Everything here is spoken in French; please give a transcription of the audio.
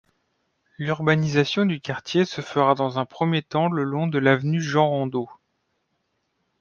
L'urbanisation du quartier se fera dans un premier temps le long de l'avenue Jean-Rondeaux.